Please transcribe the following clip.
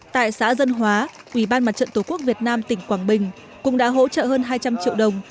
tại xã dân hóa ủy ban mặt trận tổ quốc việt nam tỉnh quảng bình cũng đã hỗ trợ hơn hai trăm linh triệu đồng